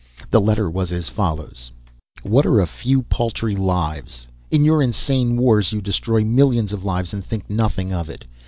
The letter was as follows: "What are a few paltry lives? In your insane wars you destroy millions of lives and think nothing of it.